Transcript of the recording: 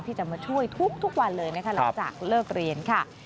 ที่จะมาช่วยทุกวันเลยนะคะหลังจากเลิกเรียนค่ะ